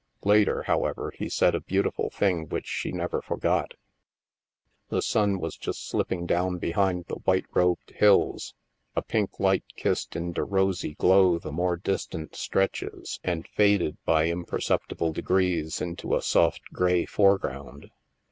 Later, however, he said a beautiful thing which she never forgot. The sun was just slipping down behind the white robed hills, a pink light kissed into rosy glow the more distant stretches and faded by imperceptible degrees into a soft gray foreground.